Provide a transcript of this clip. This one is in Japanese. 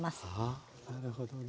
ああなるほどね。